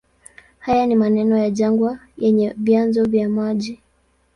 Haya ni maeneo ya jangwa yenye vyanzo vya maji.